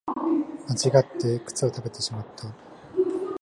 間違って靴を食べてしまった